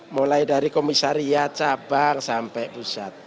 mulai dari komisariat cabang sampai pusat